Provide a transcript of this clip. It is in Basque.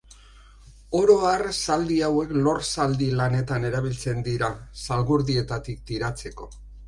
Oro har zaldi hauek lor-zaldi lanetan erabiltzen dira zalgurdietatik tiratzeko.